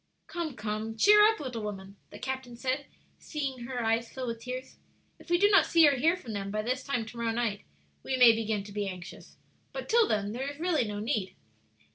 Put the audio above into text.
"Come, come, cheer up, little woman," the captain said, seeing her eyes fill with tears. "If we do not see or hear from them by this time to morrow night, we may begin to be anxious; but till then there is really no need."